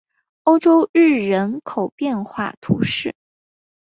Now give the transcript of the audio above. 欧班日人口变化图示